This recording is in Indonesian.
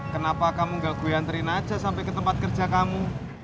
kenapa kamu gak gue antrian aja sampai ke tempat kerja kamu